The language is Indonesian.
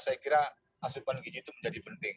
saya kira asupan gigi itu menjadi penting